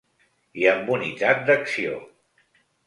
I amb unitat d’acció.